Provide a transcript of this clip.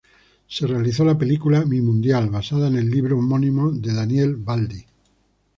Se realizó la película "Mi mundial", basada en el libro homónimo de Daniel Baldi.